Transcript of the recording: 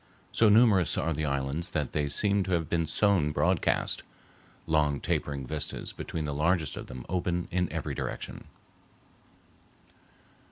So numerous are the islands that they seem to have been sown broadcast; long tapering vistas between the largest of them open in every direction.